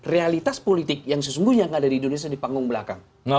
realitas politik yang sesungguhnya nggak ada di indonesia di panggung belakang